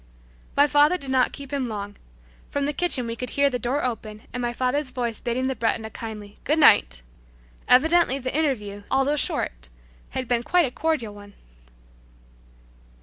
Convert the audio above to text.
My father did not keep him long. From the kitchen we could hear the door open and my father's voice bidding the Breton a kindly "good night" Evidently the interview, although short, had been quite a cordial one.